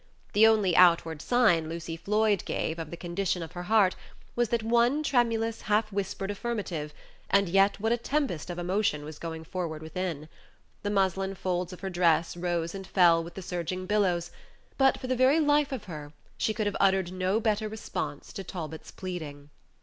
The only outward sign Lucy Floyd gave of the condition of her heart was that one tremulous, half whispered affirmative, and yet what a tempest of emotion was going forward within! The muslin folds of her dress rose and fell with the surging billows, but for the very life of her she could have uttered no better response to Talbot's pleading.